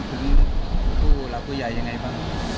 คุณรับผู้ใหญ่อย่างไรบ้าง